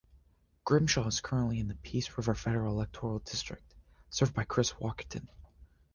Grimshaw is currently in the Peace River federal electoral district, served by Chris Warkentin.